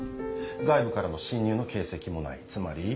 外部からの侵入の形跡もないつまり。